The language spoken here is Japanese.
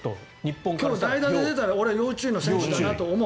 今日、代打で出たら要注意の選手だと思う。